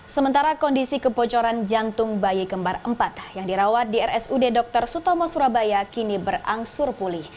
sementara kondisi kebocoran jantung bayi kembar empat yang dirawat di rsud dr sutomo surabaya kini berangsur pulih